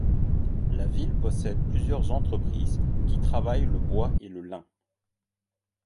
La ville possède plusieurs entreprises qui travaillent le bois et le lin.